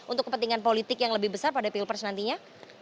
untuk kepentingan politik yang lebih besar pada pilpres nantinya